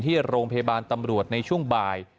ที่โรงพยาบาลตำรวจในช่วงบ่าย